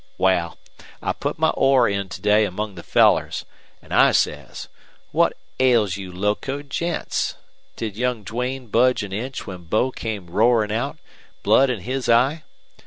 Wal, I put my oar in to day among the fellers, an' I says: 'What ails you locoed gents? Did young Duane budge an inch when Bo came roarin' out, blood in his eye?